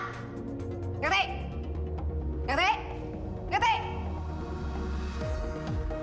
sampai jumpa di video selanjutnya